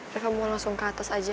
mereka mau langsung ke atas aja